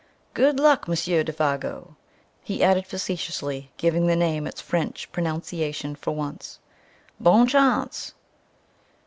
Good luck, Monsieur Défago!" he added, facetiously giving the name its French pronunciation for once, "_bonne chance!